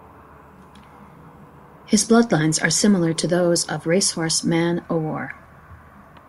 His bloodlines are similar to those of racehorse Man O' War.